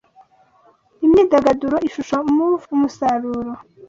Imyidagaduro ishusho Move umusaruro